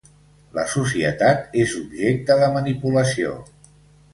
La societat és objecte de manipulació.